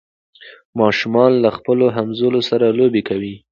ماشومان له خپلو همزولو سره لوبې کوي.